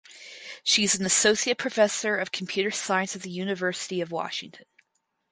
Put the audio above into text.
She is an associate professor of computer science at the University of Washington.